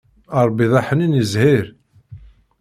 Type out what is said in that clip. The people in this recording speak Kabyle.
Ṛebbi d aḥnin iẓẓehhiṛ.